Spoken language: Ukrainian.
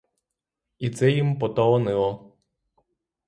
І це їм поталанило.